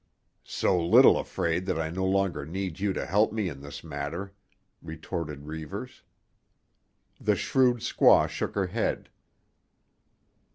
"So little afraid that I no longer need you to help me in this matter," retorted Reivers. The shrewd squaw shook her head.